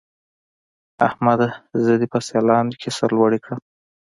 احمده! زه دې په سيالانو کې سر لوړی کړم.